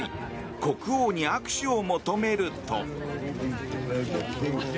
国王に握手を求めると。